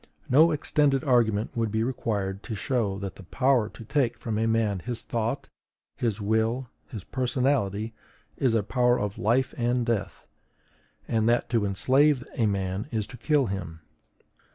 No extended argument would be required to show that the power to take from a man his thought, his will, his personality, is a power of life and death; and that to enslave a man is to kill him.